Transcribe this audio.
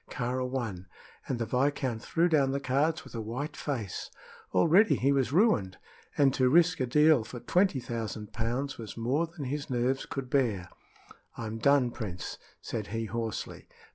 Kāra won, and the viscount threw down the cards with a white face. Already he was ruined, and to risk a deal for twenty thousand pounds was more than his nerves could bear. "I'm done, Prince," said he, hoarsely.